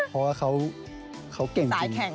เพราะว่าเขาเก่งจริง